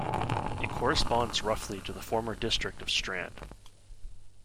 It corresponds roughly to the former district of Strand.